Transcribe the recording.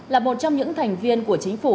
là một trong những thành viên của chính phủ